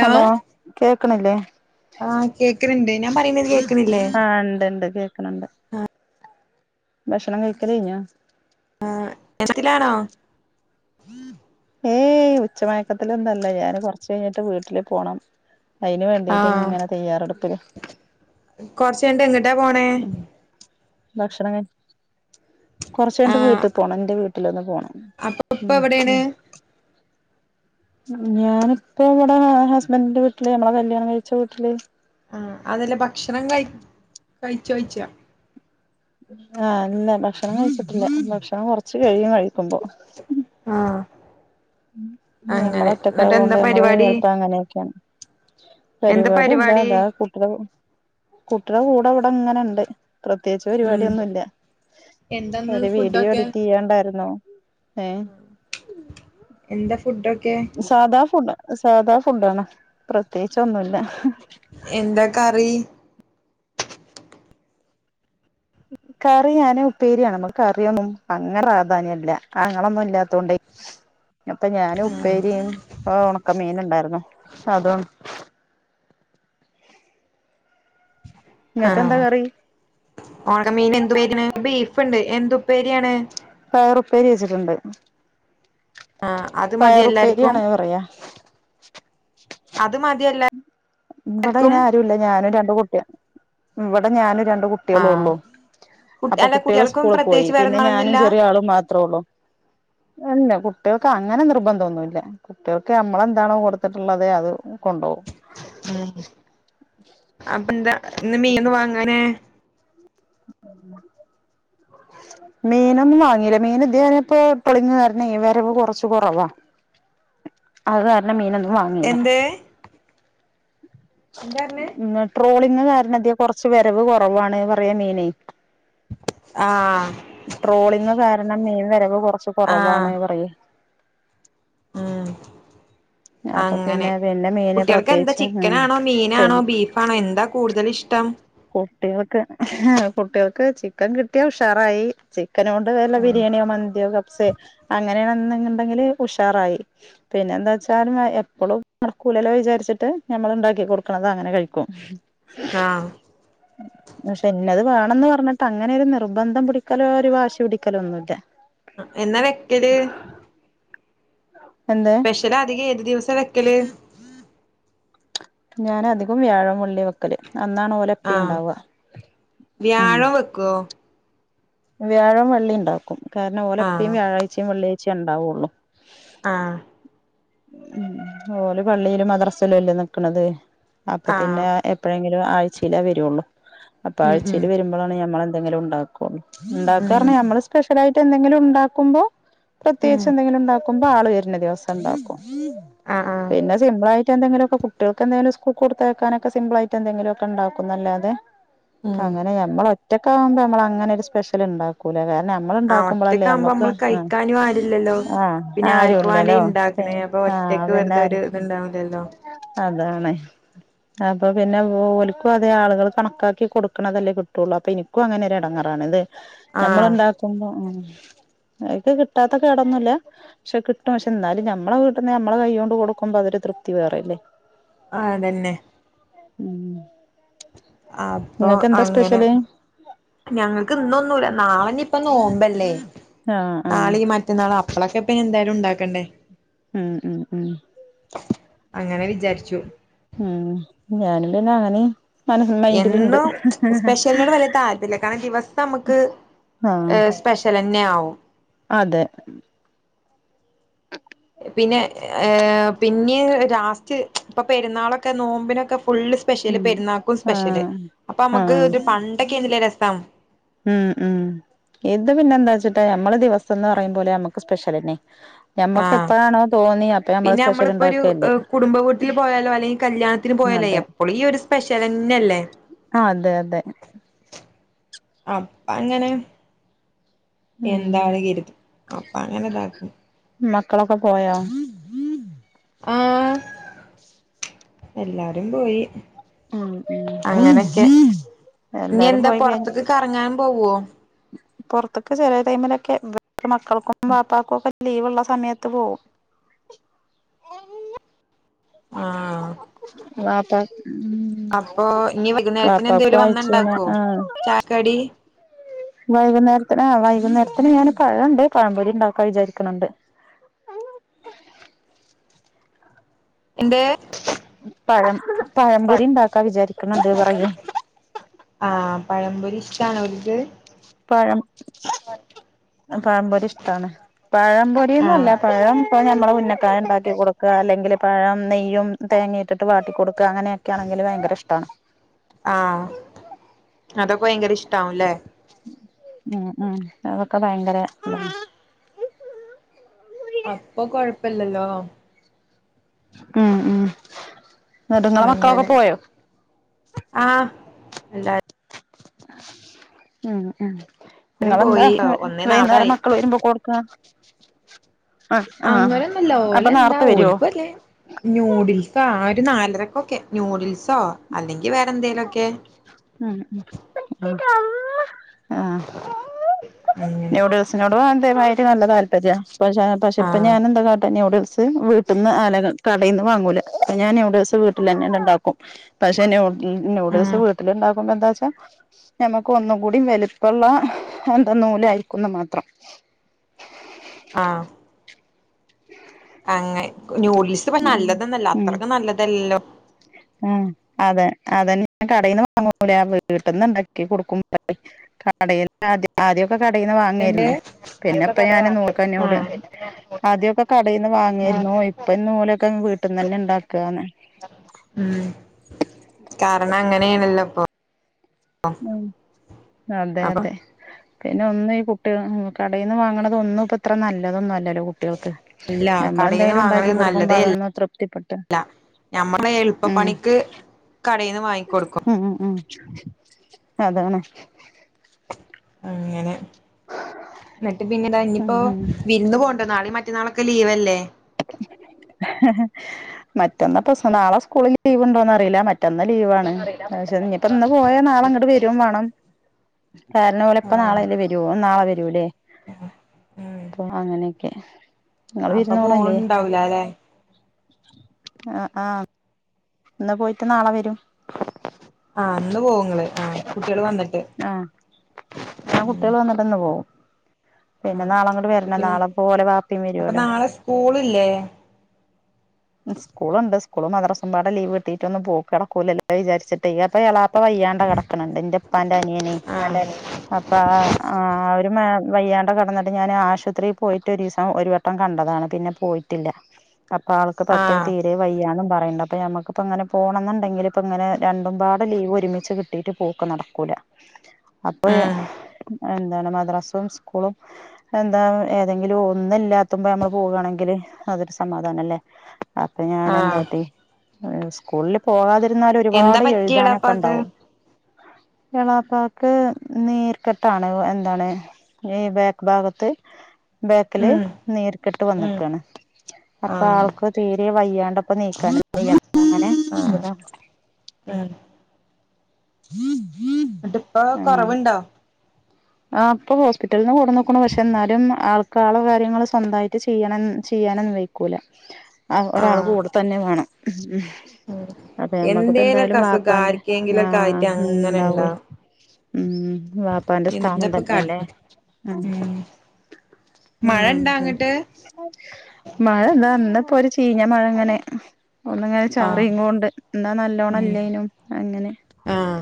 hello കേ ആക്കുന്നില്ലേ ആഹ് കേൾക്കണിണ്ട് ഞാൻ പറയുന്ന ആ ഇണ്ട് ഇണ്ട് കേക്കണിണ്ട് ഭക്ഷണം കഴിക്കല് കഴിഞ്ഞാ [unintelligible] ഏയ് ഉച്ചമയക്കത്തിലൊന്നല്ലാ ഞാന് കൊറച്ച് കഴിഞ്ഞിട്ട് വീട്ടില് പോണം അയിന് വേണ്ടീട്ട് ഇങ്ങനെ തയ്യാറെടുക്കണ് കൊറച്ചണ്ട് എങ്ങിട്ടാ പോണേ ഭക്ഷണം കഴി കൊറച്ചുകഴിഞ്ഞിട്ട് ആഹ് വീട്ടിൽ പോണം എന്റെ വീട്ടിലൊന്ന് പോണം അപ്പൊ ഇപ്പ ഉം എവിടേണ് ഞാനിപ്പ ഇവിടെ ഹസ്ബൻഡിന്റെ വീട്ടില് നമ്മളെ കല്യാണം കഴിച്ച വീട്ടില് ആ അതല്ലേ ഭക്ഷണം കഴി കഴിച്ച കഴിച്ചാ ആ ഇല്ല ഭക്ഷണം കഴിച്ചിട്ടില്ലാ ഭക്ഷ [unintelligible] കൊറച്ച് കഴിയും കഴിക്കുമ്പോ ആഹ് നമ്മള് അങ്ങനെ എന്നിട്ട് ഒറ്റക്കായത് കൊണ്ട് എന്താ ഞമ്മള് പരിപാടി [unintelligible] അങ്ങനെയൊക്കെയാണ് പരിപാടി എന്താ അതാ കുട്ടി കുട്ടീടെ കൂടെ അവിടെ ഇങ്ങനിണ്ട് പ്രത്യേകിച്ച് ഉം പരിപാടിയൊന്നൂല്ലാ എന്താന്ന് ഒരു വീഡിയോ ഫുഡൊക്കെ എഡിറ്റ് ചെയ്യാണ്ടായിരുന്നു ഏ എന്താ ഫുഡൊക്കെ സാധാ ഫുഡ് സാധാ ഫുഡാണ് പ്രത്യേകിച്ച് ഒന്നുമില്ലാ എന്താ കറി ഉം കറി ഞാന് ഉപ്പേരിയാണ് നമ്മുക്ക് കറിയൊന്നും അങ്ങനെ പ്രാധാന്യമല്ലാ ആങ്ങളൊന്നും ഇല്ലാത്ത കൊണ്ടേ അപ്പൊ ഞാന് ഉപ്പേരിയും ഒണക്കമീൻ ഉണ്ടായിരുന്നു അതും [inaudible] ആ ഇങ്ങക്ക് എന്താ കറി ഓണമീൻ എന്ത് [unintelligible] ബീഫുണ്ട് എന്തു ഉപ്പേരിയാണ് പയറുപ്പേരി വെച്ചിട്ടുണ്ട് ആഹ് അത് മതി എല്ലാർക്കും പയറുപ്പേരിയാണ് പറയാ [inaudible] അത് മതിയല്ലാ ഇവിടെ അയ്ന് ആരൂല്ലാ ഞാനും രണ്ട് കുട്ടി മം ഇവിടെ ഞാനും രണ്ട് കുട്ടികളും ആഹ് ഉള്ളൂ കുട്ട് അപ്പൊ അല്ല കുട്ടികള് കുട്ടികൾക്കും സ്കൂളിൽ പോയി പ്രത്യേകിച്ച് പിന്നെ വേറൊന്നും ഞാനും വേണന്നില്ല ചെറിയ ആളും മാത്രേ ഉള്ളൂ [unintelligible] കുട്ടികൾക്ക് അങ്ങനെ നിർബന്ധമൊന്നുമില്ലാ കുട്ടികൾക്ക് നമ്മളെന്താണോ കൊടുത്തിട്ടുള്ളത് അത് കൊണ്ടോവും അപ്പൊ എന്താ ഇന്ന് മീന് വാങ്ങാനെ [inaudible] മീനൊന്നും വാങ്ങീല്ലാ മീന് ഇത് ഇപ്പൊ പോളിങ്ങ് കാരണം വരവ് കൊറച്ച് കൊറവാ അത് കാരണം മീനൊന്നും വാങ്ങീല്ലാ എന്ത് എന്താ പറഞ്ഞേ [unintelligible] ട്രോളി ക്ക് കാരണം കൊറച്ചു വരവ് കൊറവാണ് പറയാ മീനേ ആ ട്രോളിങ് കാരണം മീൻ വരവ് കൊറച്ച് കൊറവാണ് പറയ് ആ അപ്പൊ അങ്ങനെ പിന്നെ പിന്നെ മീന് കുട്ടികൾക്ക് എന്താ പ്രത്യേകിച്ച് ഉം ചിക്കനാണോ മീനാണോ പിന്നെ ബീഫാണോ എന്താ കൂടുതല് ഇഷ്ട- കുട്ടികൾക്ക് കുട്ടികൾക്ക് ചിക്കൻ കിട്ടിയാ ഉഷാറായി ചിക്കന് കൊണ്ട് വല്ല ആഹ് ബിരിയാണിയോ മന്തിയോ കപ്സേ [unintelligible] ഇണ്ടെങ്കില് ഉഷാറായി പിന്നെ എന്താ വെച്ചാലും എപ്പളും നടക്കൂലാല വിചാരിച്ചിട്ട് ഞമ്മള് ഇണ്ടാക്കി കൊടുക്കണത് അങ്ങനെ കഴിക്കും ആ [inaudible] പക്ഷെ ഇന്നത് വേണന്ന് പറഞ്ഞിട്ട് അങ്ങനെ ഒരു നിർബന്ധം പിടിക്കലോ ഒരു വാശി പിടിക്കലോ ഒന്നൂല്ലാ എന്നാ വെക്കട് എന്ത് സ്പെഷ്യല് അധികം ഏത് ദിവസാ വെക്കല് ഞാന അധികം വ്യാഴംമള്ളി വെക്കല് അന്നാണ് പോലെ എപ്പ ആഹ് ഉണ്ടാവുക ഉം വ്യാഴം വെക്കുവോ വ്യാഴം വെള്ളി ഉണ്ടാക്കും കാരണം ആഹ് ഓലെപ്പും വ്യാഴാഴ്ചയും വെള്ളിയാഴ്ചയും ഉണ്ടാവുള്ളൂ ആഹ ഉ ഓല് പള്ളിയിലും മദ്രസയിലും അല്ലേ നിക്കണത് അപ്പൊ ആഹ് പിന്നെ എപ്പോഴെങ്കിലും ആഴ്ചയിലേ വരുള്ളൂ അപ്പൊ ഉം ഉം ആഴ്ചൽ വരുമ്പോഴാണ് ഞമ്മളെ എന്ത ഉണ്ട ഉണ്ട ഉം നമ്മള് സ്പെഷ്യല ആായിട്ട് എന്തെങ്കിലും ഉണ്ടാക്കുമ്പോ ഉം പ്രത്യേകിച്ച് എന്തെങ്കിലും ഉണ്ടാക്കുമ്പോ ആൾ വരുന്ന ദിവസം ഉണ്ടാക്കും ആഹ് ആഹ് പിന്നെ സിമ്പിൾയിട്ട് എന്തങ്കിലുംക്കെ കുട്ടൾക്ക് എന്തെിലും സ്കൂൾ കൊടുത്തേക്കെ സിമ്പിൾ ആയി് എന്തെിലും ഒക്കെണ്ടും അല്ല അതെ ഉം അങ്ങനെ ഞമ്മള ഒറ്റക്ക ആകുമ്പോ നമ്മള അങ്ങനൊ ഒരു സ്പെഷ്യൽ ഉണ്ടാക്കൂലേ നമ്മൾ ആ ഉണ്ടാക്കുമ്പോളല്ലേ ഒറ്റക്കാവുമ്പോ നമ്മക്ക് നമ്മള് ആ കഴിക്കാനും ആരില്ലല്ലോ ആഹ പിന്നെ ആർക്ക് വേണ്ടേ ആരുല്ലലോ ഇണ്ടാക്കണേ പിന്നെ അപ്പൊ ഒറ്റക്ക് വെറുതെ ആഹന്നാര ഒരു ഇത്ണ്ടാവില്ലല്ലോ അതാണ് അപ്പൊ പിന്നെ ഓലിക്കും അതെ ആളുകൾ കണക്കാക്കി കൊടുക്കണതല്ലേ കിട്ടുള്ളൂ അപ്പൊ എനിക്കും അങ്ങനെൊ ഇടങ്ങാറാാണ് ഇത് നമ്മള ആഹ് ഉണ്ടാക്കുമ്പോ എക്ക് കിട്ടാത്ത കേടൊന്നുംല്ല പക്ഷെ കിട്ടും പക്ഷെ എന്നാലും ഞമ്മളെ നമ്മെ കൈ കൊടുക്ക്പോ അത് തൃപ്തി വേറെല്ലേ ആതന്നെ ഉം അപ്പൊ ഇങ്ങക്ക് എന്താ അങ്ങനെ സ്പെഷ്യല് ഞങ്ങക്ക് ഇന്നൊന്നുംല്ല നാള ഇപ്പൊ നോമ്പല്ലേ ആഹ് ആഹ് നാള മറ്റന്നാളും അപ്പളൊക്കെ ഇപ്പ എന്തായാലും ഉണ്ടാക്കണ്ടേ ഉം ഉം ഉം അങ്ങനെ വിചാരിച്ചു ഉം ഞാന പിന്നെ അങ്ങനെ മനസ് മൈൻഡിലുണ്ട് എന്നും സ്പെഷ്യലിനോട് വലിയ താല്ര്മല്ല കാരണം ദിവസം നമുക്ക് ആഹ് സ്പെഷ്യൽന്നെ ആവും അതെ പിന്നെ ഹ് പിന്നെ ലാസ്റ്റ് ഇപ്പൊ പെരുന്നാളൊക്കെ നോമ്പിനൊക്കെ ഫുള്ള് സ്പെഷ്യല് ഉം പെരുന്നാക്കും സ്പെഷ്യല് ആഹ് അപ്പൊ നമുക്ക് ആഹ് ഒരു പണ്ടൊക്കെ എന് രസം ഉം ഉം ഇത് പിന്നെ എന്താ വച്ചിട്ടാ നമ്മള് ദിവസം എന്ന് പറയുമ്പോലെ നമ്മുക്ക് സ്പെഷ്യൽന്നെ ആ ആഹ പിന്നെ സ്പെഷ്യൽ നമ്മളിപ്പോൊ ഒരു ഉണ്ടാക്കല്ലേ കുടുംബ വൂട്ടിൽ പോയാലോ അല്ലെങ്കിൽ കല്യാണത്തിന് പോയാലോ ല്ലേ എപ്പളും ഈ ഒരു സ്പെഷ്യലന്ന അല്ലേ ആ അതെ അതെ അ അങ്ങനെ ഉം എന്താാണ് കരുതും അപ്പ അങ്ങനെ ഇതാക്കും മക്കളൊക്കെ പോയാ ആഹ എല്ലാരും പോയി ആ അ അങ്ങനൊക്കെ ജീ ഇനി എന്താ പുൊറത്തേക്ക് കറങ്ങാൻ പോവോ പുറത്തൊക്കെ ചെറ ടൈമിലൊക്കെ മക്കൾക്കും പാപ്പക്കും ഒക്കെ ലീവള്ള സമയത്ത് പോകവും ആഹ വാപ്പ ഉ ഇനി വൈകുന്നേരത്തിന് വാപ്പക്ക് എന്തേലും വായിച്ചുന്ന വന്നുണ്ടാക്കുവോ ആഹ ചായക്കടി വൈകുന്നേരത്തിന് ആ വൈകുന്നേരത്തിന് ഞാാന് പഴണ്ട് പഴംപൊലി ഉണ്ടാക്കാൻ വിചാരിക്കുന്നുണ്ട് ആ എന്റെറെ പഴം പഴംകൊരി ഉണ്ടാക്കാ വിചാരിക്കുന്നുണ്ട് പറയേ ആഹ പഴമ്പപൊരി ഇഷ്ടണ ഒക്ക് പറം പഴം പൊരി ഇഷ്ടമാണ് പഴം പൊരിന്നല്ല ആഹ് പഴം ഇപ്പോ ഞമ്മെ ഉുന്നക്കായ ഉണ്ടാക്കി കൊടുക്കുക അല്ലെങ്കിൽ പഴം നെയ്യും തേങ്ങ ഇട്ടിട്ട് വാട്ടിിക്കൊടുക്കുക അങ്ങനെയൊക്കൊണെങ്കിൽ ഭയങ്കര ഇഷ്ടമാണ് ആഹ് അതൊക്കെ ഭയങ്കര ഇഷ്ടവുംല്ലെ ഉ ഉ അതൊക്കെ ഭയങ്കര അപ്പൊ കൊഴപ്പില്ലല്ലോ ഉം ഉ നെടുങ്ങളെ മക്കളൊക്കെ അങ്ങനെ പോയോ അല്ലാ ഉം ഉ നിങ്ങെന്താ പോയി ഒന്നേ വൈകുന്നേരം നാപ്പതായി മക്കൾ വരുമ്പോ കൊടുക്ക [unintelligible] ആ അങനെന്നുമല്ല ഓല അപ്പൊ എന്താ നേർത്തെ വരുവോ ഓലക്ക അല്ലേ ന്യൂഡിൽസ്- ഒരു നാലരക്കൊക്കെ ന്യൂഡിൽസ് ഓ അല്ലെങ്കിൽ വേറെ എന്തെങ്കലുംക്കെ ഉ ആഹ [unintelligible] അങ്ങനെ ന്യൂഡിൽസിനോട് അ [unintelligible] ദയവമായിട്ട് നല്ല താല്പര്യ പക്ഷെ പക്ഷെ ഇപ്പ ആഹ് ഞാനെന്താട്ടെ ന്യഡിൽസ് വീട്ടന്ന് ആല കടൽ നിന്ന് വാങ്ങൂല ഞാൻ എവിടെ ദിവസം വീട്ടിൽ തന്നെ ഉണ്ടാക്കും പക്ഷെ മ് മ് നയൂഡിൽസ് ഉം എന്താച്ച നമ്മക്ക് ഒന്നും കൂടി വലുപ്പുള്ള എന്താ നൂല് അയക്കുന്ന മാത്രം [inaudible] ആഹ അങ്ങെ ജോലീസ് ഉം നല്ലതന്നല്ല ഉം അത്രക്ക നല്ലതല്ലോ ആഹ് അതെ അതന്ന ഞാൻ കടന്ന് വാങ്ങല വീട്ടന്ന് ഇണ്ടാക്കി കൊടുക്കുമ്പോ കട- ആ ആദ്യമൊക്കെ കടയിൽന്ന് എന്തേ വാങ്ങായിരുന്നു പിന്നെപ്പ ഞാന നോക്ക എന്നോട് ആഹ് ആദ്യമൊക്കെ കടയിൽന്ന് വാങ്ങിയിരുന്നു അപ്പ നൂലയൊക്കെ വീട്ടന്ന് തന്നെ ഇണ്ടാക്കുകന്ന് അങ്ങനെയണല്ലപ്പ ഉ അതെ അപ്പം അതെ പിന്നെ ഒന്നു ഈ കുട്ടികൾ കടയിൽ നിന്ന് വാങ്ങണത് ഒന്നും ഇപ്പ ഇത്ര നല്ലതൊന്നുംല്ല കുട്ടികൾക്ക് ഇല്ല കടയിൽന്ന് നമ്മൾെന്തെലും ഉണ്ടാക്കി വാങ്ങണത് കൊടുക്കുമ്പോ അതൊന്ന തൃപ്തിപ്പെട്ട് ഞമ്മുടെ ഉം എളുപ്പപ്പണിക്ക് കട ഉം ഉം അതണെ അങ്ങനെ എന്നിട്ട് പിന്നൊ ഉം ഇനിയിപ്പോൊ വിരുന്ന് പോണ്ടോ നാളെ മറ്റ മറ്റേ നാളക്കെ ലീവല്ലേ ഹ്ഹ്ഹ് മറ്റെന്നാൾ പ്രശ്നം ഇല്ല നാളെ സ്കൂള ലീവ്ണ്ടോന്ന അറിയില്ല പെട്ടന്ന് ലീവാണ് പക്ഷെ ഇനിയിപ്പ ഇന്ന് പോയാ നാളെ അങ്ങോട്ട് വരും വേണം കാരണം പോലെ ഇപ്പ ആഹ് നാളെ അല് വരുവോ നാളെ വരുല്ലേ ഉം അപ്പൊ അങ്ങനെ- ഓക്കെ അപ്പൊ പോണണ്ടാവല അല്ലെ ആ ആഹ ഇന്ന് പോയിട്ട് നാളെ വരും ആ അന്ന് പോകും ആഹ കുട്ടികള് വന്നിട്ട് ആ ഉം കുട്ടികൾ വന്നിട്ടന്ന് പോകും പിന്നെ ആഹ് നാളെ അങ്ങട് എന്നിട്ട് വരണം പിന്നെ നാളെ ഓൾടെ വാപ്പം അപ്പൊ വരുവലോ നാളെ സ്കൂളില്ലേ സ്കൂളുണ്ട് സ്കൂള മദ്രസുമ്പാലീവ് കിട്ടിട്ട് ഒന്ന് പോകൂ വിചാരിട്ട് അപ്പ അപ്പ പയ്യാണ്ട കിടക്കണണ്ട് എന്റെപ്പാന്റെ അനിയനെ അതെ അപ്പ ആ ഒരു വയ്യാണ്ട കിടന്നിട്ട് ഞാൻ ആശുപത്രിയിൽ പോയിട്ട് ഒരു ദിവസം ഒരു വട്ടം കണ്ടതാണ് പിന്നെ പോയിട്ടില്ല അപ്പൊ ആൾക്ക് പറ്റ ആഹ് തീരെ വയ്യണും പറ പറയുന്നുണ്ട് അപ്പോൾ നമുക്കിപ്പോൾങ്ങെ പോണംന്നുണ്ടെങ്കിൽ ഇപ്പോൾ ഇങ്ങനെ രണ്ടും ലീവ് ഒരുമിച്ച് കിട്ടിയിട്ട് പോക്കക്ക് നടക്കൂല അപ്പൊ എ- ഉം എന്താണ് മദ്രാസവും സ്കൂളും എന്താ ഏതെങ്കിലും ഒന്നല്ലാത്തുമ്പോ നമ്മള് പോവയാണെങ്കിൽ- അതൊരു സമാധാനം അല്ലേ അപ്പൊ ഞാൻ ആഹ് എന്താട്ട- സ്കൂളിൽ പോകാതിരുന്നാല എന്താ ഒരുപാട് എഴുതാനൊക്കെ പറ്റിയെളാപ്പാക്ക് ഉണ്ടാവും വാപ്പാക്ക് നീർക്കെട്ടാണ് എന്താണ് ഈ ബാക്ക് ഭാഗത്ത് ബാക്കില് ഉം നേരിട്ട് ഉം വന്നിക്കാണ് അപ്പൊ ആൾ ആഹ് വയ്യാണ്ടപ്പ നീക്കാൻ അങ്ങനെ ആഹ് ഉം ഉം ഉം എന്നിട്ട് ഇപ്പ കൊറവുണ്ടോ ആ ഇപ്പൊ ഹോസ്പിറ്റലിൽ നിന്ന് കൂടെ നോക്കണ പക്ഷെ എന്നാലും ആൾ- മക്കാള കാര്യങ്ങൾ സ്വന്തമായിട്ട് ചെയ്യണം ചെയ്യാനന്നും നിക്കൂല ആ ഒരാൾ ആഹ് കൂടെ തന്നെ വേണം ഉം ഉം അപ്പ നമ്മക്കഇപ്പോ എന്തേലൊക്കെ എന്തായാലും അസുഖം വപ്പാന്റെ ആർക്കെങ്കിലൊക്കെ ആഹ ആയിട്ട് അങ്ങനെ ഉണ്ടാവ്‌വേ ഇണ്ടാവും ഉം വാപ്പാന്റെ സ്ഥാനം എന്താപ്പ തന്നെല്ലേ കാട്ട്ണ് ഉം മഴ ഇണ്ടാ ഉം അങ്ങട്ട് മഴന്താ പൊരു ചീഞ്ഞ മഴ അങ്ങനെ ഒന്നങ്ങനെ ആഹ് ചാറിങ്ങോണ്ട് എന്നാ നല്ലോണം ഉം ഇല്ലേനും അങ്ങനെ ആഹ്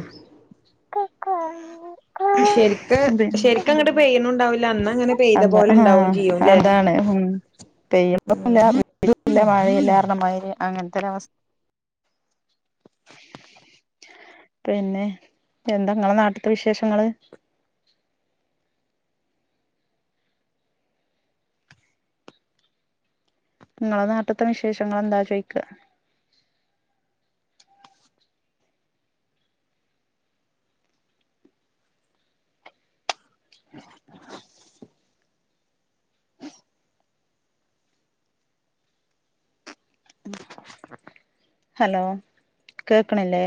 [inaudible] ശരിക്ക് പിന്നെ ശരിക്ക് അങ്ങഡ് പെയ്യണിണ്ടാവില്ല അത ആഹ അതാണ് ഉം പെയ്യുമ്പോ ഉം ല്ല മഴയില്ല കാരണം അങ്ങനത്തൊരു അവസ്ഥ പിന്നെ എന്താ ഇങ്ങള നാട്ടത്തെ വിശേഷങ്ങള് [inaudible] നിങ്ങളെ നാട്ടത്തെ വിശേഷങ്ങൾ എന്താ ചോയിക്ക [inaudible] ഹലോ കേക്കണില്ലേ